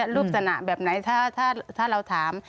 รูปสนะแบบไหนถ้าเราถาม